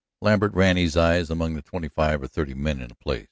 Lambert ran his eye among the twenty five or thirty men in the place.